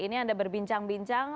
ini anda berbincang bincang